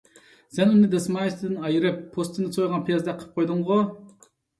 سەن ئۇنى دەسمايىسىدىن ئايرىپ، پوستىنى سويغان پىيازدەك قىلىپ قويدۇڭغۇ!